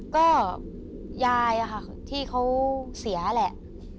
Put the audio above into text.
ก็ยายอะค่ะที่เขาเสียแหละ